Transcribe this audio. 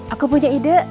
aku punya ide